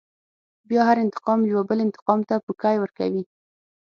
بيا هر انتقام يوه بل انتقام ته پوکی ورکوي.